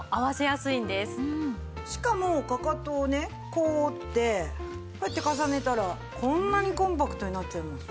こう折ってこうやって重ねたらこんなにコンパクトになっちゃいます。